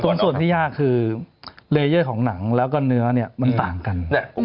ส่วนที่ยากคือเลเยอร์ของหนังแล้วก็เนื้อเนี่ยมันต่างกัน